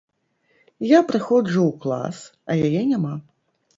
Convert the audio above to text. Я прыходжу ў клас, а яе няма.